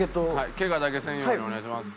ケガだけせんようにお願いします。